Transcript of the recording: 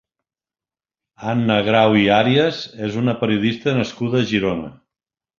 Anna Grau i Àrias és una periodista nascuda a Girona.